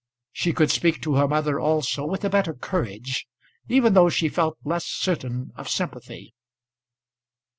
She could speak to her mother, also, with a better courage, even though she felt less certain of sympathy.